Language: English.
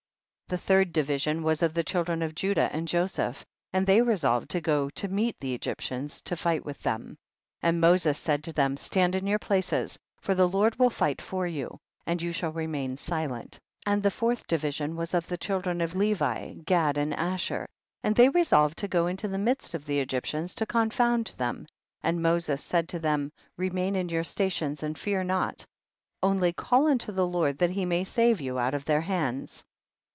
31. The third division was of the children of Judah and Joseph, and they resolved to go to meet the Egyp tians to fight with them. 32. And Moses said to them, stand in your places, for the Lord will fight for you, and you shall remain silent. 33. And the fourth division was of the children of Levi, Gad and Asher, and they resolved to go into the midst of the Egyptians to con found them, and Moses said to them, remain in your stations and fear not, only call unto the Lord that he may save you out of their hands.